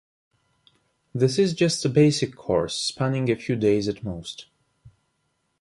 This is just a basic course spanning a few days at most.